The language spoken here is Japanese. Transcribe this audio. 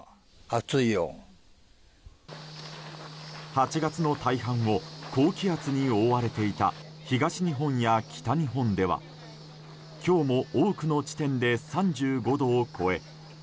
８月の大半を高気圧に覆われていた東日本や北日本では今日も多くの地点で３５度を超え